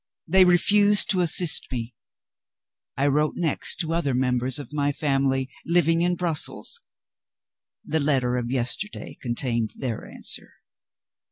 They refused to assist me. I wrote next to other members of my family, living in Brussels. The letter of yesterday contained their answer.